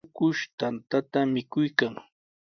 Ukush tantata mikuykan.